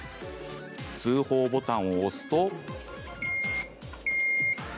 通報ボタンを押すと。